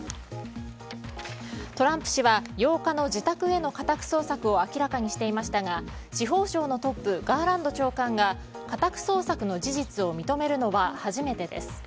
トランプ氏は８日の自宅への家宅捜索を明らかにしていましたが司法省のトップガーランド長官が家宅捜索の事実を認めるのは初めてです。